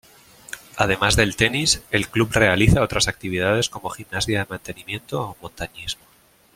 Además del tenis, el club realiza otras actividades como gimnasia de mantenimiento o montañismo.